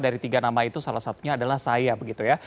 dari tiga nama itu salah satunya adalah saya begitu ya